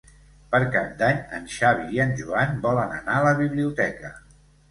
Per Cap d'Any en Xavi i en Joan volen anar a la biblioteca.